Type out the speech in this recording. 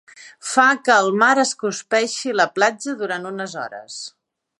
Fa que el mar es cruspeixi la platja durant unes hores.